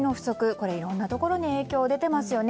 これ、いろんなところに影響が出ていますよね。